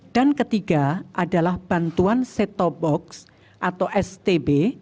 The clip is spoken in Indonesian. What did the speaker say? dan ketiga adalah bantuan set top box atau stb